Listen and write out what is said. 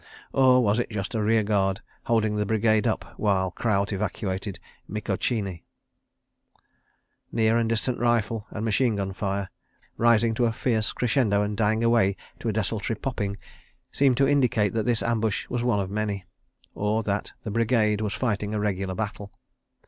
Or was it just a rear guard holding the Brigade up while Kraut evacuated Mikocheni? ... Near and distant rifle and machine gun fire, rising to a fierce crescendo and dying away to a desultory popping, seemed to indicate that this ambush was one of many, or that the Brigade was fighting a regular battle.